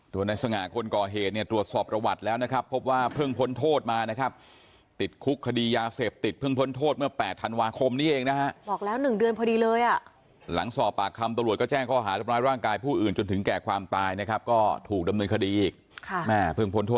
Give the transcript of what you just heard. เตอร์เหตุนั่งดื่มรับได้กันป่ะ